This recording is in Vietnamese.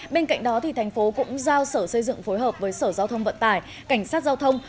bên cạnh đó thành phố cũng giao sở xây dựng phối hợp với sở giao thông vận tải cảnh sát giao thông